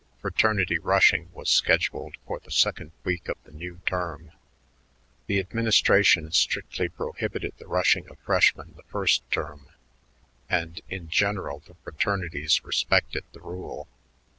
Fraternity rushing was scheduled for the second week of the new term. The administration strictly prohibited the rushing of freshmen the first term; and, in general, the fraternities respected the rule.